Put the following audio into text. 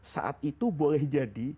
saat itu boleh jadi